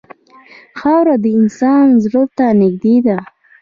خاوره د انسان زړه ته نږدې ده.